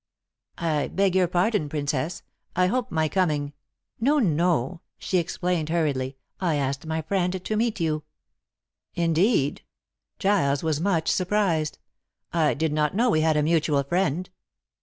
"I beg your pardon, Princess, I hope my coming " "No, no," she explained hurriedly. "I asked my friend to meet you." "Indeed." Giles was much surprised. "I did not know we had a mutual friend."